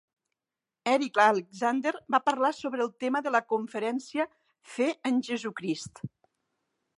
Eric Alexander va parlar sobre el tema de la conferència "Fe en Jesucrist".